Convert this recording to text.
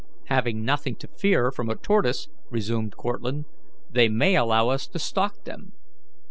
"Having nothing to fear from a tortoise," resumed Cortlandt, "they may allow us to stalk them.